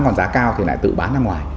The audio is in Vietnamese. còn giá cao thì lại tự bán ra ngoài